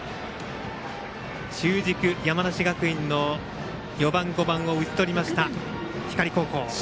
中軸、山梨学院の４番、５番を打ち取りました、光高校。